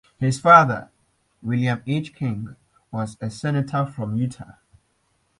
His father, William H. King, was a Senator from Utah.